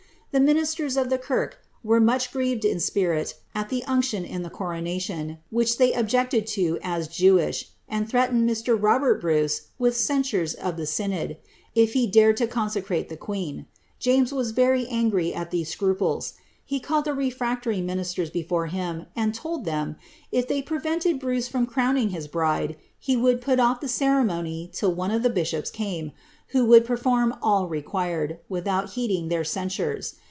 The ministers of the ki .i were much grieved in spirh at the unction in the coronation, which ther objected lo as Jewish, and threatened Mr. Robert Bruce with ceiifiire.' of Hie synod, if he dared lo consecrate ihe queen. James was very il by tile Bannaiyne Club prove ut.j » ANNE OF DENMARK. 357 aafTT at tliese scmples ; he called the refractory ministers before him, and told ihem, if they prevented Bruce from crowning his bride, ha would put off the ceremony till one of the bishops came, who woula perform all required, without heeding their censures.